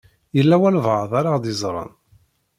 Yella walebɛaḍ ara ɣ-d-iẓṛen.